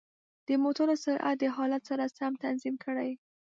د موټرو سرعت د حالت سره سم تنظیم کړئ.